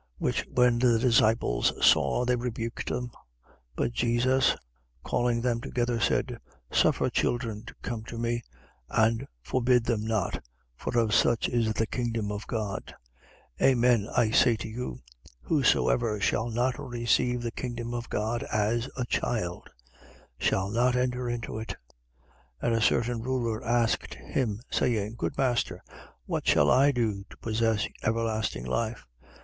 Which when the disciples saw, they rebuked them. 18:16. But Jesus, calling them together, said: Suffer children to come to me and forbid them not: for of such is the kingdom of God. 18:17. Amen, I say to you: Whosoever shall not receive the kingdom of God as a child shall not enter into it. 18:18. And a certain ruler asked him, saying: Good master, what shall I do to possess everlasting life?